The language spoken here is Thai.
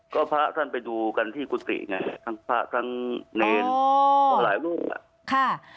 ก็พระท่านไปดูกันที่กุฏิไงทั้งพระทั้งเนรหลายลูก